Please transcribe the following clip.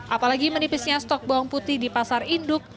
apalagi menipisnya stok bawang putih di pasar induk